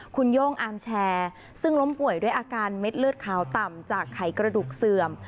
คุณโย่งอาร์มแชร์ซึ่งล้มป่วยด้วยอาการเม็ดเลือดขาวต่ำจากไขกระดูกเสื่อม